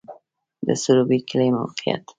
د سروبی کلی موقعیت